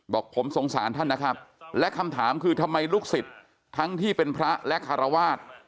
บอกผมสงสารท่านนะครับและคำถามคือทำไมลูกศิษย์ทั้งที่เป็นพระและคารวาส